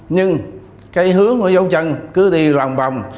nhưng cái hướng của dấu chân cứ đi vòng vòng